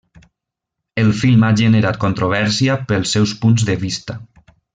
El film ha generat controvèrsia pels seus punts de vista.